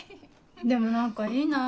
でも何かいいな。